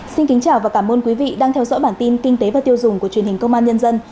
xin kính chào và cảm ơn quý vị đang theo dõi bản tin kinh tế và tiêu dùng của truyền hình công an nhân dân